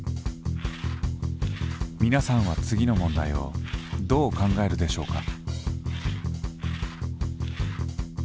みなさんは次の問題をどう考えるでしょうか？